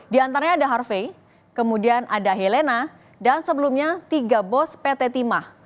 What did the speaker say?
di antaranya ada harvey kemudian ada helena dan sebelumnya tiga bos pt timah